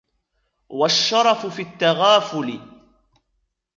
وَالشَّرَفُ فِي التَّغَافُلِ